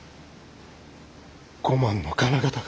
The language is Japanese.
５万の金型が。